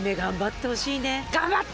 頑張って！